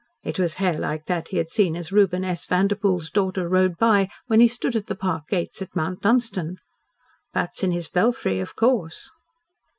It was hair like that he had seen as Reuben S. Vanderpoel's daughter rode by when he stood at the park gates at Mount Dunstan. "Bats in his belfry," of course.